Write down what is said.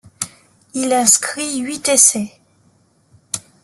Il inscrit huit essais.